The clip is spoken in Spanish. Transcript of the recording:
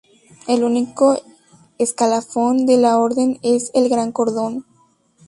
El único escalafón de la orden es el Gran Cordón.